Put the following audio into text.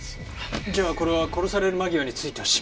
じゃあこれは殺される間際に付いた指紋。